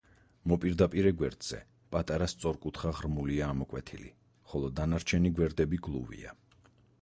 მოპირდაპირე გვერდზე პატარა სწორკუთხა ღრმულია ამოკვეთილი, ხოლო დანარჩენი გვერდები გლუვია.